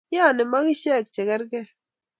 Yaani makishe che kerkei.